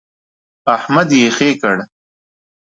احمد يې خې کړ.